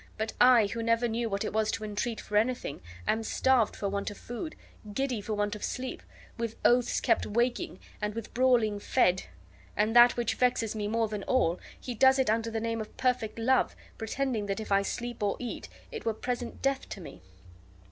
But I, who never knew what it was to entreat for anything, am starved for want of food, giddy for want of sleep, with oaths kept waking, and with brawling fed; and that which vexes me more than all, he does it under the name of perfect love, pretending that if I sleep or eat, it were present death to me."